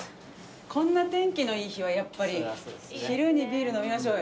こんな天気のいい日はやっぱり昼にビール飲みましょうよ。